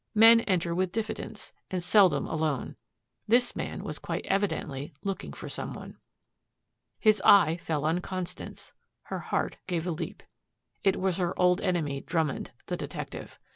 Men enter with diffidence, and seldom alone. This man was quite evidently looking for some one. His eye fell on Constance. Her heart gave a leap. It was her old enemy, Drummond, the detective.